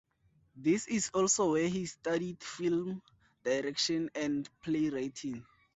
This is also where he studied Film Direction and Playwriting.